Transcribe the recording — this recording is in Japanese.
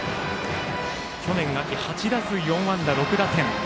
去年秋８打数４安打６打点。